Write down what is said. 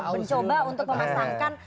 mencoba untuk memasangkan